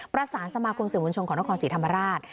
ประสานสมาคมเสียงวัญชงของนครศรีธรรมราช